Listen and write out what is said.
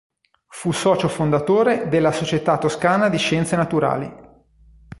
Fu socio fondatore della Società toscana di Scienze Naturali.